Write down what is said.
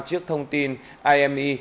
trước thông tin ime